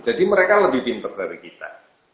jadi mereka lebih pinter dari kita